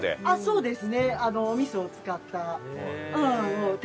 そうです。